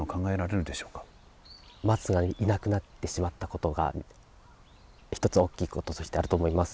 松がいなくなってしまったことが一つ大きいこととしてあると思います。